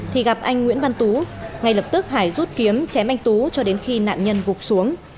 thì gặp anh nguyễn văn tú ngay lập tức hải rút kiếm chém anh tú cho đến khi nạn nhân gục xuống